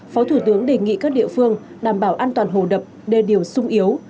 phó thủ tướng đề nghị các địa phương đảm bảo an toàn hồ đập đê điều sung yếu